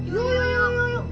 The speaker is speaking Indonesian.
yuk yuk yuk yuk